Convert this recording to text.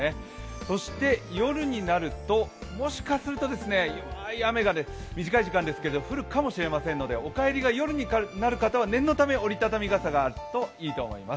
そして夜になるともしかすると弱い雨が短い時間ですけど降る可能性がありますのでお帰りが夜になる方は念のため折り畳み傘があるといいと思います。